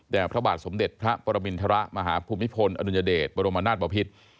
พระบาทสมเด็จพระปรมินทรมาฮภูมิพลอดุญเดชบรมนาศบพิษ